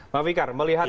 pak fikar melihat